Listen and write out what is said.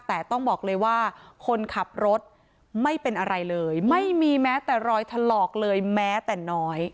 แต่ต้องบอกเลยว่าคนขับรถไม่เป็นอะไรเลยไม่มีแม้แต่รอยถลอกเลยแม้แต่น้อย